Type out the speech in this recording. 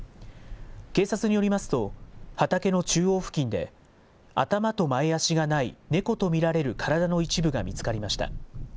警察によりますと、畑の中央付近で、頭と前足がない猫と見られる体の一部が見つかりました。